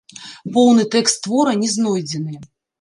Поўны тэкст твора не знойдзены.